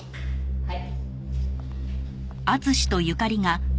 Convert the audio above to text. はい。